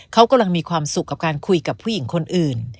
เขากำลังมีความสุขกับการคุยกับผู้หญิงคนอื่น